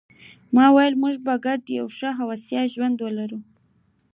ما وویل: موږ په ګډه یو ښه او هوسا ژوند لرو.